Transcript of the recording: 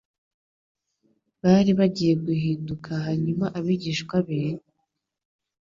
bari bagiye guhinduka hanyuma abigishwa be,